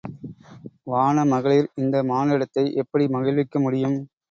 வான மகளிர் இந்த மானுடத்தை எப்படி மகிழ்விக்க முடியும்.